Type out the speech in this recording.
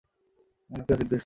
আমি জেলের চক্কর কাটবো।